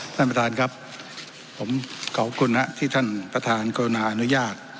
ท่านประธานครับผมขอบคุณครับที่ท่านประธานกรุณาอนุญาต